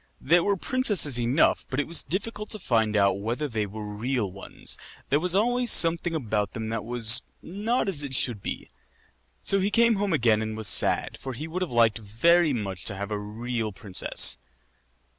There were princesses enough, but it was difficult to find out whether they were real ones. There was always something about them that was not as it should be. So he came home again and was sad, for he would have liked very much to have a real princess.